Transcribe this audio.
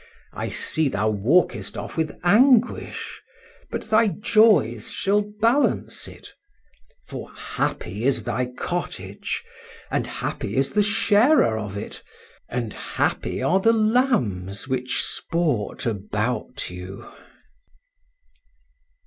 —I see thou walkest off with anguish,—but thy joys shall balance it;—for, happy is thy cottage,—and happy is the sharer of it,—and happy are the lambs which sport about you!